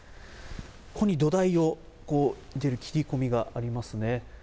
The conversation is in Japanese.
ここに土台を入れる切り込みがありますね。